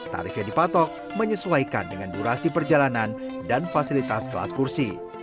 tarif yang dipatok menyesuaikan dengan durasi perjalanan dan fasilitas kelas kursi